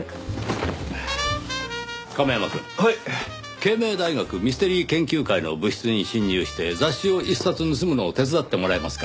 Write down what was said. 慶明大学ミステリー研究会の部室に侵入して雑誌を１冊盗むのを手伝ってもらえますか？